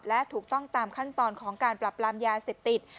และถูกต้องตามขั้นตอนของการปรับปรามยาเสพติด